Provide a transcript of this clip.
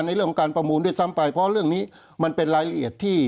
ในเรื่องของการประมูลด้วยซ้ำไปเพราะเรื่องนี้มันเป็นรายละเอียดที่